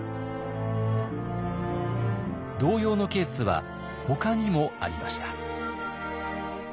同様のケースはほかにもありました。